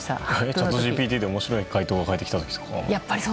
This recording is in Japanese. チャットＧＰＴで面白い回答が返ってきた時とか。